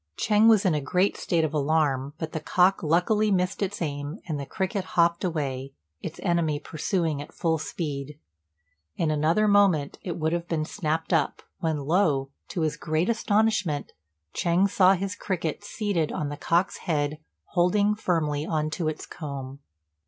Ch'êng was in a great state of alarm; but the cock luckily missed its aim, and the cricket hopped away, its enemy pursuing at full speed. In another moment it would have been snapped up, when, lo! to his great astonishment, Ch'êng saw his cricket seated on the cock's head, holding firmly on to its comb.